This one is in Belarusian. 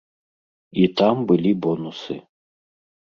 І там былі бонусы.